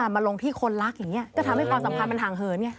มาลงที่คนรักอย่างนี้ก็ทำให้ความสัมพันธ์มันห่างเหินไง